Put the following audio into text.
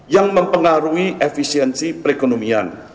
yang mempengaruhi efisiensi perekonomian